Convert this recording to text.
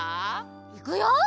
いくよ。